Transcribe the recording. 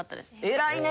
偉いね！